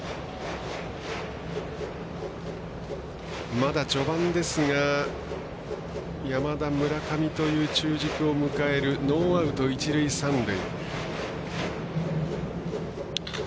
まだ序盤ですが山田、村上という中軸を迎えるノーアウト、一塁三塁。